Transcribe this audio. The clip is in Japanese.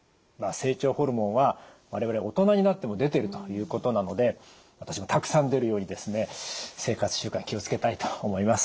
成長ホルモンは我々大人になっても出てるということなので私もたくさん出るように生活習慣気を付けたいと思います。